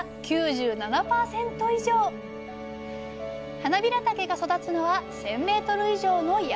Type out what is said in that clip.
はなびらたけが育つのは１，０００ｍ以上の山。